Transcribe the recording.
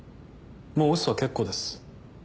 もうウソは結構です。